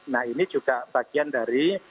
nah ini juga bagian dari